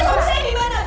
suami saya di mana